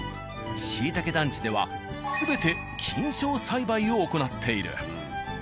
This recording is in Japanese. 団地では全て菌床栽培を行っている。